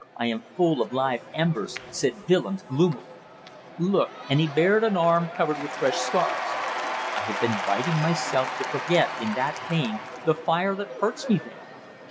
I am full of live embers," said Willems, gloomily. "Look!" and he bared an arm covered with fresh scars. "I have been biting myself to forget in that pain the fire that hurts me there!"